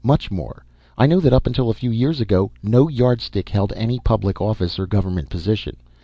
Much more. I know that up until a few years ago, no Yardstick held any public office or government position.